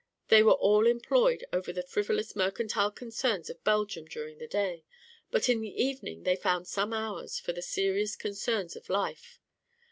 They were all employed over the frivolous mercantile concerns of Belgium during the day; but in the evening they found some hours for the serious concerns of life.